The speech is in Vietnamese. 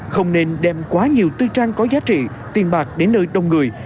không nên đem quá nhiều tư trang có giá trị tiền bạc đến nơi đông người